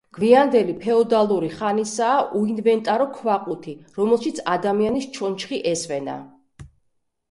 გვიანდელი ფეოდალური ხანისაა უინვენტარო ქვაყუთი, რომელშიც ადამიანის ჩონჩხი ესვენა.